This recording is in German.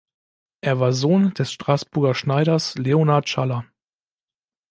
Er war Sohn des Straßburger Schneiders Leonhard Schaller.